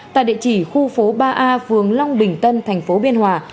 tại địa chỉ khu phố ba a phường long bình tân thành phố biên hòa